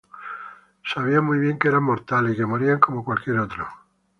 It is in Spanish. Sabían muy bien que eran mortales y que morían como cualquier otro.